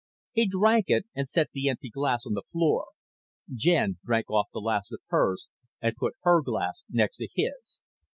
He drank it and set the empty glass on the floor. Jen drank off the last of hers and put her glass next to his.